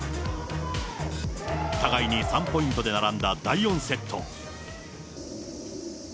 互いに３ポイントで並んだ第４セット。